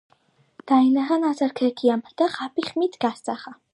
დაინახა ნაცარქექიამ და ხაფი ხმით გასძახა: